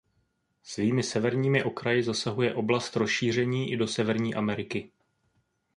Svými severními okraji zasahuje oblast rozšíření i do Severní Ameriky.